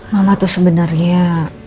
mama tuh sebenernya